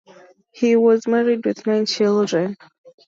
He was married with nine children.